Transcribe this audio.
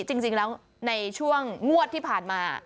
จริงแล้วในช่วงงวดที่ผ่านมา